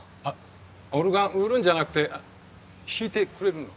オルガン売るんじゃなくて弾いてくれるの？